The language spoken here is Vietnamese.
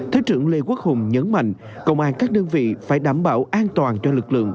thứ trưởng lê quốc hùng nhấn mạnh công an các đơn vị phải đảm bảo an toàn cho lực lượng